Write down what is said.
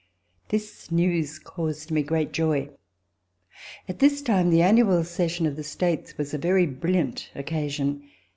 This news caused me great joy. At this time the annual session of the States was a very brilliant occasion.